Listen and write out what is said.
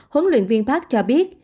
huấn luyện viên park cho biết